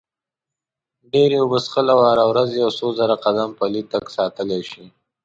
ډېرې اوبه څښل او هره ورځ یو څو زره قدمه پلی تګ ساتلی شي.